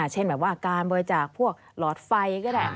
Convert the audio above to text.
เช่นแบบว่าการบริจาคพวกหลอดไฟก็ได้